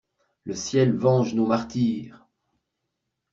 Le Ciel venge nos martyrs!